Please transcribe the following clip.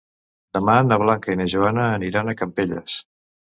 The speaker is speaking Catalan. Demà na Blanca i na Joana aniran a Campelles.